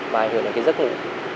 và ảnh hưởng đến cái giấc ngủ